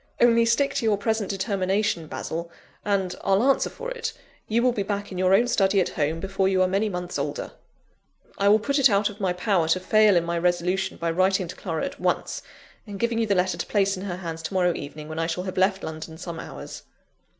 Only stick to your present determination, Basil, and, I'll answer for it, you will be back in your own study at home, before you are many months older!" "I will put it out of my power to fail in my resolution, by writing to Clara at once, and giving you the letter to place in her hands to morrow evening, when I shall have left London some hours."